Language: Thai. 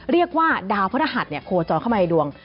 เรียกว่าดาวพระรหัสโคจรเข้ามาในดวง